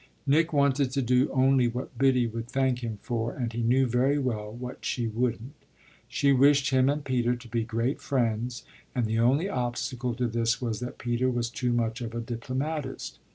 Nick wanted to do only what Biddy would thank him for, and he knew very well what she wouldn't. She wished him and Peter to be great friends, and the only obstacle to this was that Peter was too much of a diplomatist.